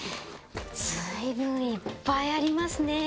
随分いっぱいありますね。